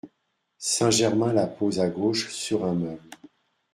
Saint-Germain la pose à gauche sur un meuble.